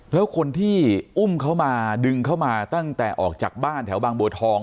แล้วคนที่อุ้มเขามาดึงเข้ามาตั้งแต่ออกจากบ้านแถวบางบัวทอง